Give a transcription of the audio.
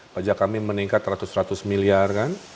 pajak kami meningkat ratus ratus miliar kan